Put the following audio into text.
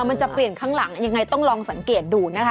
มันจะเปลี่ยนข้างหลังยังไงต้องลองสังเกตดูนะคะ